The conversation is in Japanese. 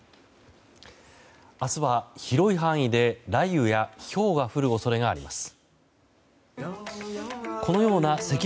明日は広い範囲で雷雨やひょうが降る恐れがあります。